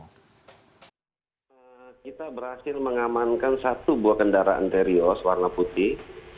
kita berhasil mengamankan satu buah kendaraan terios warna putih